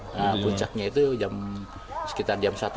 nah puncaknya itu sekitar jam satu jam dua